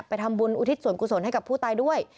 ไปทำบุญอุทิศสวงคุณสนให้กับผู้ตายด้วย